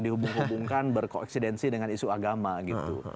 dihubung hubungkan berkoeksidensi dengan isu agama gitu